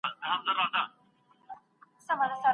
استادانو ته غوږ ونیسئ.